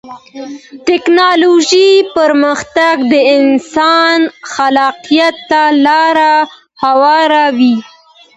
د ټکنالوجۍ پرمختګ د انسان خلاقیت ته لاره هواروي.